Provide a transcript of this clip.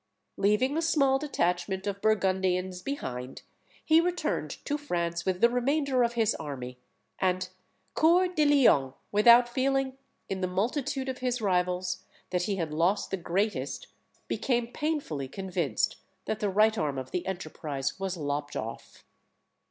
Leaving a small detachment of Burgundians behind, he returned to France with the remainder of his army; and Coeur de Lion, without feeling, in the multitude of his rivals, that he had lost the greatest, became painfully convinced that the right arm of the enterprise was lopped off.